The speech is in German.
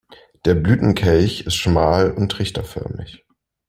Der Blütenkelch ist schmal und trichterförmig.